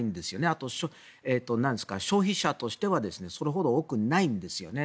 あと、消費者としてはそれほど多くないんですよね。